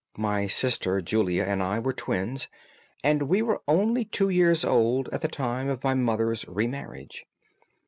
My sister Julia and I were twins, and we were only two years old at the time of my mother's re marriage.